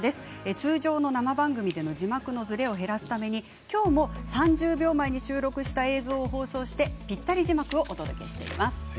通常の生番組での字幕のずれを減らすためにきょうも３０秒前に収録した映を放送しぴったり字幕をお届けしています。